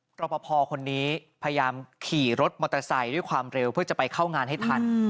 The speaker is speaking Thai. รอปภคนนี้พยายามขี่รถมอเตอร์ไซค์ด้วยความเร็วเพื่อจะไปเข้างานให้ทัน